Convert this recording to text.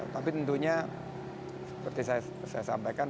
tapi tentunya seperti saya sampaikan